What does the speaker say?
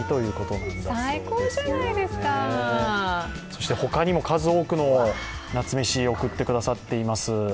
そして他にも数多くの夏メシ、送ってくださってます。